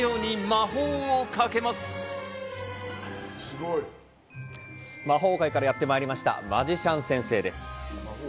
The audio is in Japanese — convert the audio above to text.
魔法界からやって参りました、マジシャン先生です。